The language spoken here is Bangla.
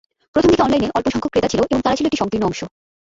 প্রথমদিকে, অনলাইনে অল্প সংখ্যক ক্রেতা ছিল এবং তারা ছিল একটি সংকীর্ণ অংশ।